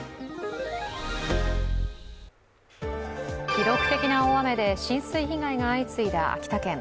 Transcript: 記録的な大雨で浸水被害が相次いだ秋田県。